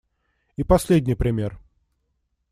И последний пример.